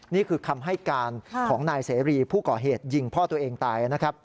นี่คือคำให้การของนายเสรีผู้ก่อเหตุยิงพ่อตัวเองตายนะครับ